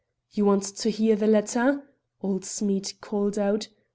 "You want to hear the letter?" old Smead called out.